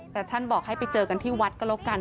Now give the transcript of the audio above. แต่ท่านบอกให้ไปเจอกันที่วัดก็แล้วกัน